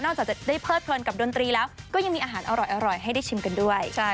จากจะได้เพิดเพลินกับดนตรีแล้วก็ยังมีอาหารอร่อยให้ได้ชิมกันด้วย